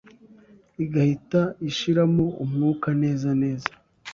igahita ishiramo umwuka neza neza.